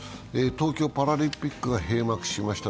東京パラリンピックが閉幕しました。